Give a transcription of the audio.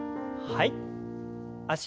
はい。